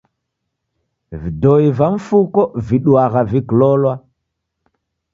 Vidoi va mfuko viduagha vikilolwa.